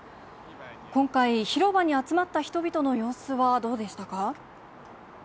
今回、広場に集まった人々の様子はどうでしたか。